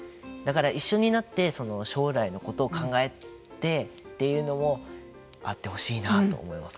一緒になって将来のことを考えてというのもあってほしいなと思います。